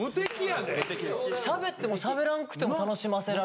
しゃべってもしゃべらんくても楽しませられるっていう。